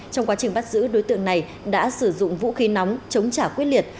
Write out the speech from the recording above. trong quá trình bắt giữ đối tượng này đã sử dụng vũ khí nóng chống trả quyết liệt